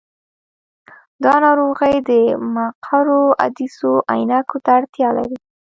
دا ناروغي د مقعرو عدسیو عینکو ته اړتیا لري.